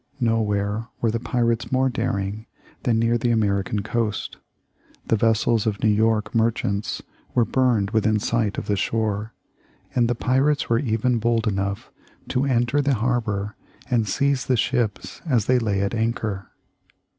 Nowhere were the pirates more daring than near the American coast. The vessels of New York merchants were burned within sight of shore, and the pirates were even bold enough to enter the harbor and seize the ships as they lay at anchor.